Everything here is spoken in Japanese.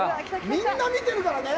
みんな、見てるからね。